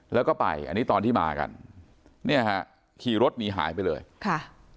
แล้วก็ไปอันนี้ตอนที่มากันเนี่ยฮะขี่รถหนีหายไปเลยค่ะ